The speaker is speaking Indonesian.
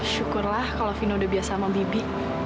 syukurlah kalau vino udah biasa sama bibi